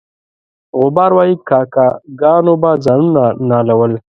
غبار وایي کاکه ګانو به ځانونه نالول.